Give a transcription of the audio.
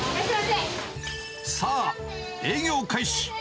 さあ、営業開始。